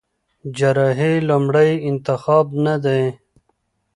جراحي لومړی انتخاب نه دی.